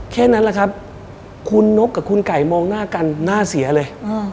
แค่นั้นแหละครับคุณนกกับคุณไก่มองหน้ากันหน้าเสียเลย